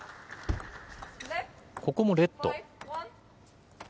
ここもレット。